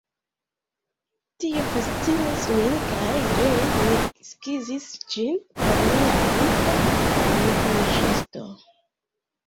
Tio fascinis min kaj ree mi skizis ĝin por mia amiko lignaĵisto.